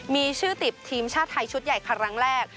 มีชื่อติดทีมชาติไทยชุดใหญ่ค่ะครั้งแรก